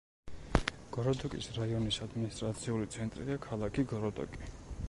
გოროდოკის რაიონის ადმინისტრაციული ცენტრია ქალაქი გოროდოკი.